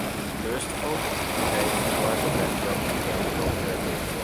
L'Østfold è situato tra il fiordo di Oslo e la Svezia.